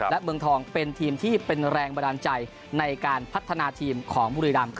และเมืองทองเป็นทีมที่เป็นแรงบันดาลใจในการพัฒนาทีมของบุรีรำ